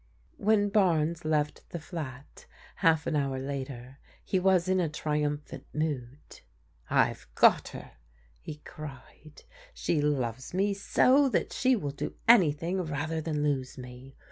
When Barnes left the flat half an hour later, he was in a triumphant mood. " I have got her," he cried ;" she loves me so that she will do anything rather than lose me.